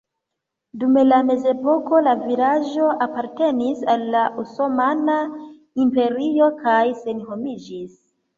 Dum la mezepoko la vilaĝo apartenis al la Osmana Imperio kaj senhomiĝis.